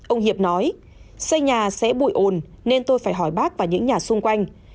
ông hiệp nói xây nhà sẽ bụi ôn nên tôi phải hỏi bác và những nhà xung quanh